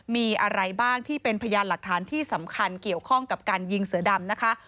มีอะไรบ้างที่เป็นพยานหลักฐานที่สำคัญเกี่ยวข้องกับการยิงเสือดำนะคะ